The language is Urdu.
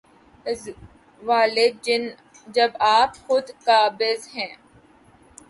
حضور والا، جب آپ خود قابض ہیں۔